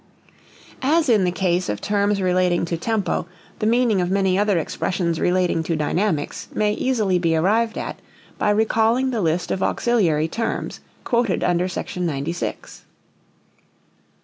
As in the case of terms relating to tempo, the meaning of many other expressions relating to dynamics may easily be arrived at by recalling the list of auxiliary terms quoted under Sec. 96. 122.